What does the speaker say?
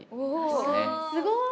すごい。